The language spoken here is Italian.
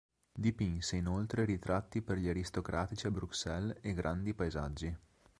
Dipinse inoltre ritratti per gli aristocratici a Bruxelles e grandi paesaggi.